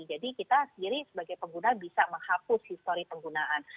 jadi kita sendiri sebagai pengguna bisa menghapus history penggunaan